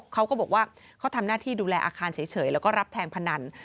เขาก็บอกว่าเขาทำหน้าที่ดูแลอาคารเฉยแล้วก็รับแทงพนัน